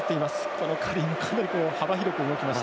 このカリーもかなり幅広く動きました。